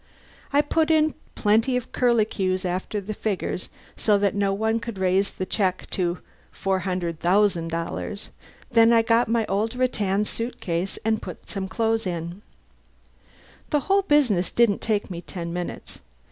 I put in plenty of curlicues after the figures so that no one could raise the check into $400,000; then I got out my old rattan suit case and put in some clothes. The whole business didn't take me ten minutes.